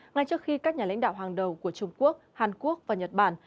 ngay trước khi các nhà lãnh đạo hàng đầu của trung quốc hàn quốc và nhật bản